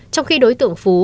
trong khi đối tượng phú